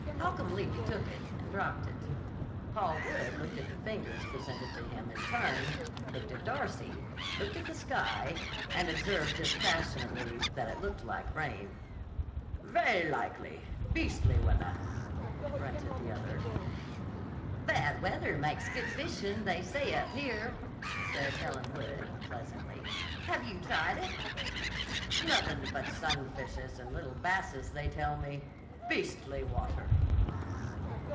Holcomb Lee took it and dropped it. Paul Wood looked at the fingers presented to him in turn, looked at Darcy, looked at the sky and observed dispassionately that it looked like rain. "Vay likely. Beastly weathah!" grunted the other. "Bad weather makes good fishing, they say up here," said Helen Wood, pleasantly. "Have you tried it?" "Nothin' but sunfishes and little basses, they tell me. Beastly water!"